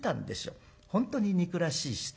本当に憎らしい人。